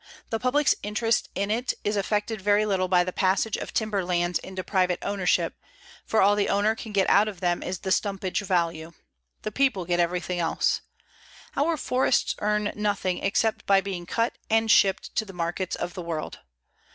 _ The public's interest in it is affected very little by the passage of timber lands into private ownership, for all the owner can get out of them is the stumpage value. The people get everything else. Our forests earn nothing except by being cut and shipped to the markets of the world.